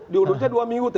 diurutnya dua minggu